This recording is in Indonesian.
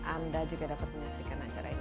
anda juga dapat menyaksikan acara ini